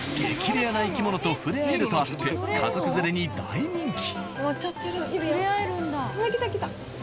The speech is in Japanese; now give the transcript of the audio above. レアな生き物と触れ合えるとあって家族連れに大人気。